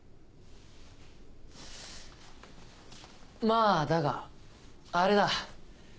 まぁだがあれだ。